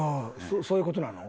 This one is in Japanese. そういう事なの？